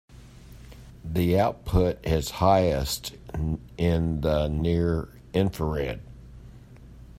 The output is highest in the near infrared.